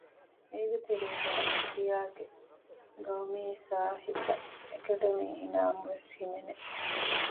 އޭގެ ތެރޭގައި އިންޑިއާގެ ގައުމީ ސާހިތަ އެކަޑަމީ އިނާމު ވެސް ހިމެނެ